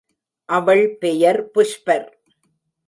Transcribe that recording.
அவள் பெயர் புஷ்பர்.